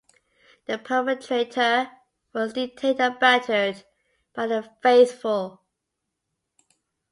The perpetrator was detained and battered by the faithful.